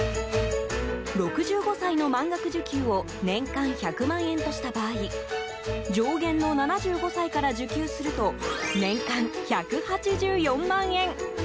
６５歳の満額受給を年間１００万円とした場合上限の７５歳から受給すると年間１８４万円。